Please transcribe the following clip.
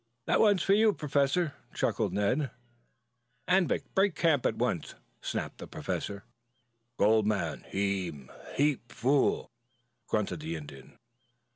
"That's one for you, Professor," chuckled Ned. "Anvik! We break camp at once," fairly snapped the Professor. "Gold man him heap fool," grunted the Indian.